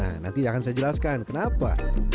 nah nanti akan saya jelaskan kenapa